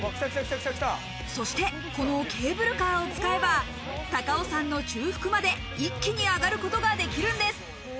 そしてこのケーブルカーを使えば、高尾山の中腹まで一気に上がることができるんです。